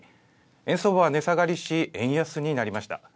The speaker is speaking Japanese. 円相場は値下がりし円安になりました。